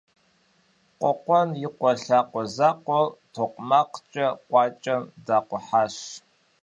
Къуэкъуэн и къуэ лъакъуэ закъуэр токъумакъкӏэ къуакӏэм дакъухьащ.